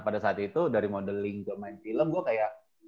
pada saat itu dari modeling ke main film gue kayak